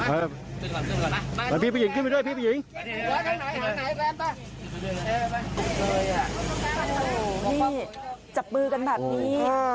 นี่จับมือกันแบบนี้